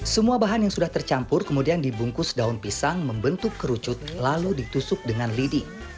semua bahan yang sudah tercampur kemudian dibungkus daun pisang membentuk kerucut lalu ditusuk dengan lidi